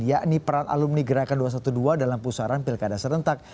yakni peran alumni gerakan dua ratus dua belas dalam pusaran pilkada serentak